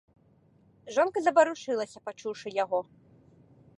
Жонка заварушылася, пачуўшы яго.